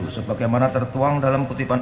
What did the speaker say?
sebagaimana tertuang dalam kutipan